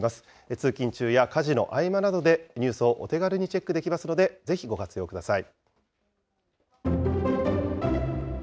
通勤中や家事の合間などでニュースをお手軽にチェックできますので、ぜひご活用ください。